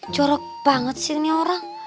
corok banget sih ini orang